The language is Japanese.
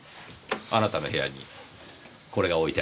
あなたの部屋にこれが置いてありました。